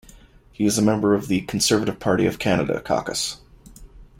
He is a member of the Conservative Party of Canada caucus.